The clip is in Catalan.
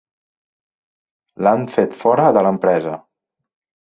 L'han fet fora de l'empresa.